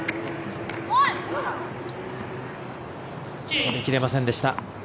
とりきれませんでした。